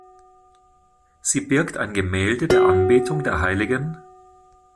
Sie birgt ein Gemälde der Anbetung der Hl.